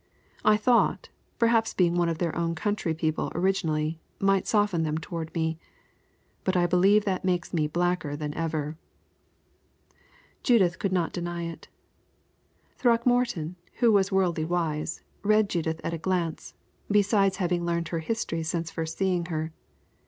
I thought, perhaps being one of their own county people originally might soften them toward me, but I believe that makes me blacker than ever." Judith could not deny it. Throckmorton, who was worldly wise, read Judith at a glance, besides having learned her history since first seeing her.